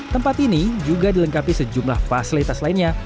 tempat ini juga dilengkapi sejumlah fasilitas lainnya